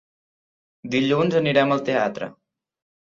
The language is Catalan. Dilluns anirem al teatre.